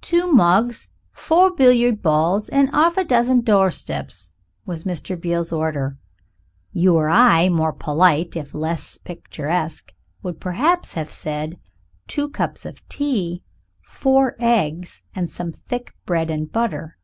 "Two mugs, four billiard balls, and 'arf a dozen door steps," was Mr. Beale's order. You or I, more polite if less picturesque, would perhaps have said, "Two cups of tea, four eggs, and some thick bread and butter."